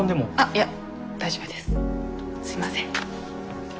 すいません。